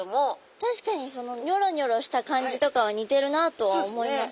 確かにニョロニョロした感じとかは似てるなとは思います。